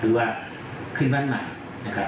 ว่าขึ้นบ้านใหม่นะครับ